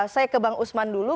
saya ke bang usman dulu